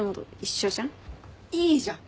いいじゃん！